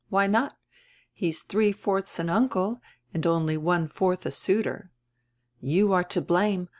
Why not? He is three fourths an uncle and only one fourth a suitor. You are to blame.